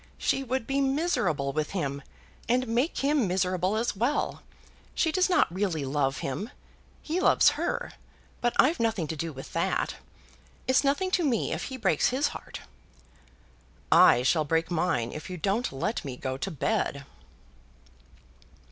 She would be miserable with him, and make him miserable as well. She does not really love him. He loves her, but I've nothing to do with that. It's nothing to me if he breaks his heart." "I shall break mine if you don't let me go to bed."